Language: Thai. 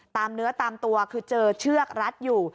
เนื้อตามตัวคือเจอเชือกรัดอยู่